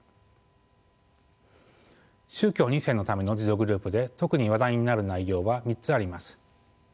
宗教２世のための自助グループで特に話題になる内容は３つあります。